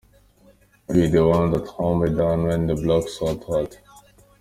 You the one that hold me down when the block's hot, hot.